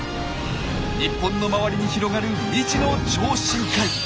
日本の周りに広がる未知の超深海。